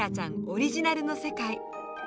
オリジナルの世界。